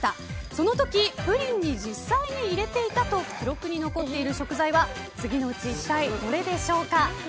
その時プリンに実際に入れていたと記録に残っている食材は次のうち一体どれでしょうか。